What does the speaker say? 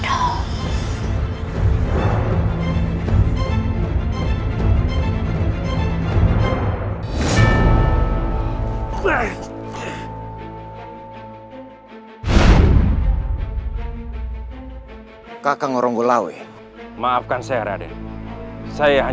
aku akan buat kakak kamendan